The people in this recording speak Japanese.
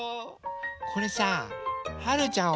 これさはるちゃん